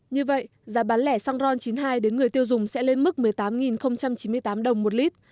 như vậy giá bán lẻ xăng ron chín mươi hai đến người tiêu dùng sẽ lên mức một mươi tám chín mươi tám đồng một lít